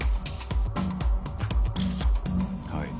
はい。